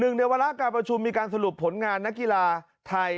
ในวาระการประชุมมีการสรุปผลงานนักกีฬาไทย